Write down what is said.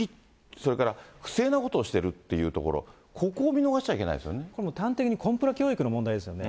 それから、不正なことをしてるっていうところ、ここを見逃しちゃ端的にコンプラ教育の問題ですよね。